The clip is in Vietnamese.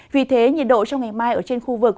vì thế nhiệt độ trong ngày mai ở trên khu vực